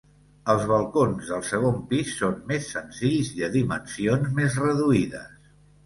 Els balcons del segon pis són més senzills i de dimensions més reduïdes.